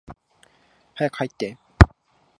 早く入って。